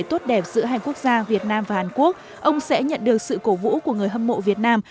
tốt đẹp giữa hai quốc gia việt nam và hàn quốc ông sẽ nhận được sự cổ vũ của người hâm mộ việt nam